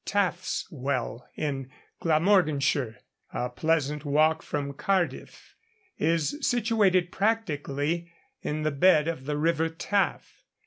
Taff's Well, in Glamorganshire, a pleasant walk from Cardiff, is situated practically in the bed of the river Taff.